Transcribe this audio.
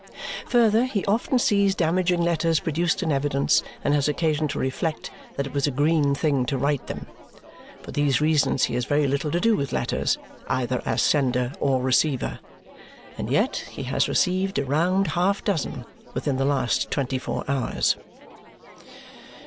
Further, he often sees damaging letters produced in evidence and has occasion to reflect that it was a green thing to write them. For these reasons he has very little to do with letters, either as sender or receiver. And yet he has received a round half dozen within the last twenty four hours.